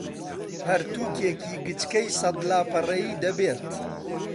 پەرتووکێکی گچکەی سەد لاپەڕەیی دەبێت